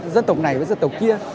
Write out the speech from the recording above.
dân tộc này với dân tộc kia